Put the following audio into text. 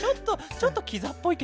ちょっとキザっぽいね。